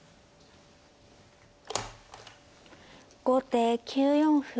後手９四歩。